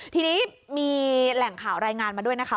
ทีนี้มีแหล่งข่าวรายงานมาด้วยนะคะ